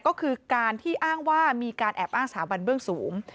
ก็คือการที่อ้างว่ามีการแอบอ้างสถาบันเบื้องสูง